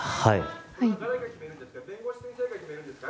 弁護士先生が決めるんですか。